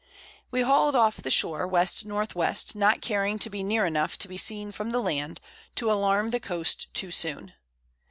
We hall'd off the Shore, W. N. W. not caring to be near enough to be seen from the Land, to allarm the Coast too soon.